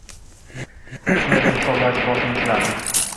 Shunday deb boshimni silardi.